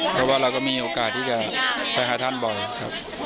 เพราะว่าเราก็มีโอกาสที่จะไปหาท่านบ่อยครับ